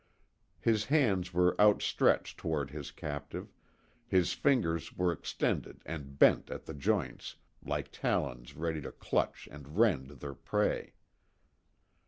His hands were outstretched toward his captive, his fingers were extended and bent at the joints like talons ready to clutch and rend their prey.